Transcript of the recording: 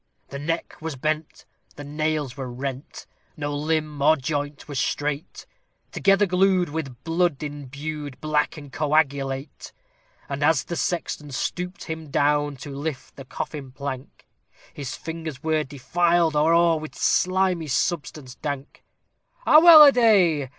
The neck was bent, the nails were rent, no limb or joint was straight; Together glued, with blood imbued, black and coagulate. And, as the sexton stooped him down to lift the coffin plank, His fingers were defiled all o'er with slimy substance dank. "Ah, welladay!"